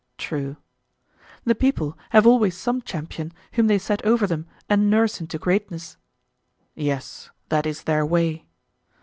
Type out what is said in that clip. True. The people have always some champion whom they set over them and nurse into greatness. Yes, that is their way.